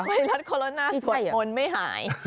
ไวรัสโคโรนาสวดมนต์ไม่หาย